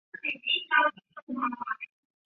断穗狗尾草为禾本科狗尾草属下的一个种。